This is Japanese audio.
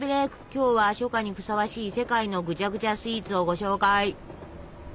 今日は初夏にふさわしい世界のぐちゃぐちゃスイーツをご紹介。